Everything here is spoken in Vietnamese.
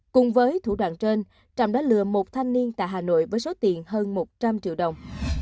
cùng với thủ đoạn trên trọng đã lừa một thanh niên tại hà nội với số tiền hơn một trăm linh triệu đồng